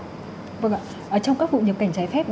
trong các vụ nhập cảnh trái phép